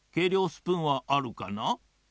スプーンはあるかな？